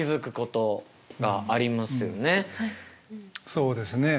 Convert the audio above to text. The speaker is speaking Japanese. そうですね。